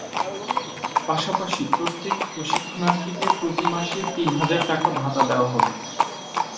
পাশাপাশি প্রত্যেক প্রশিক্ষণার্থীকে প্রতি মাসে তিন হাজার টাকা ভাতা দেওয়া হবে।